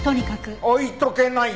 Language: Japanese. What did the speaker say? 置いとけないよ。